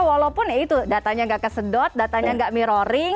walaupun ya itu datanya tidak kesedot datanya tidak mirroring